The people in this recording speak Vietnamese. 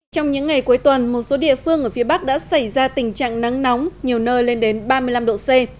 trong những ngày cuối tuần một số địa phương ở phía bắc đã xảy ra tình trạng nắng nóng nhiều nơi lên đến ba mươi năm độ c